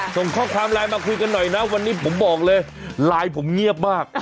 ส่งข้อความไลน์มาคุยกันหน่อยนะวันนี้ผมบอกเลยไลน์ผมเงียบมาก